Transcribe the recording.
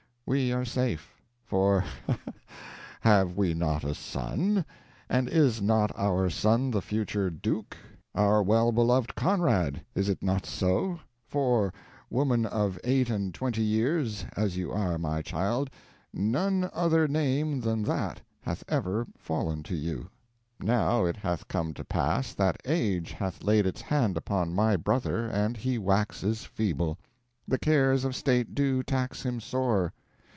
We are safe. For, Ha ha! have we not a son? And is not our son the future Duke? Our well beloved Conrad, is it not so? for, woman of eight and twenty years as you are, my child, none other name than that hath ever fallen to you! "Now it hath come to pass that age hath laid its hand upon my brother, and he waxes feeble. The cares of state do tax him sore.